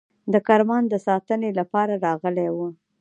د کرمان د ساتنې لپاره راغلي وه.